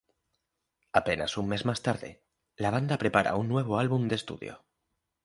Apenas un mes más tarde, la banda prepara un nuevo álbum de estudio.